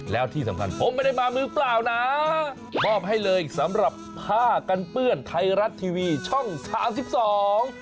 แล้วที่สำคัญผมไม่ได้มามือเปล่านะมอบให้เลยสำหรับผ้ากันเปื้อนไทยรัฐทีวีช่องสามสิบสอง